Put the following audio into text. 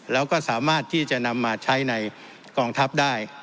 แล้วก็สามารถที่จะนำมาใช้ในกองทัพได้